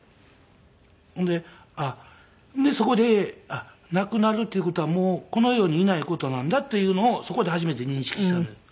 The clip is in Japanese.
ほんでそこで亡くなるっていう事はもうこの世にいない事なんだっていうのをそこで初めて認識したんです。